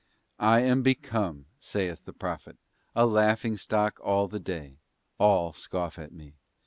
'I am become,' saith the Prophet, 'a laughing stock all the day, all scoff at me.